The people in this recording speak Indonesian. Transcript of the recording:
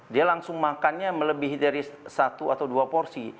dia langsung makannya melebihi dari satu atau dua porsi